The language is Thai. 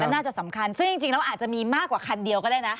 น่าจะสำคัญซึ่งจริงแล้วอาจจะมีมากกว่าคันเดียวก็ได้นะ